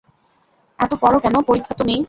এত পড়ো কেন, পরীক্ষা তো নেই?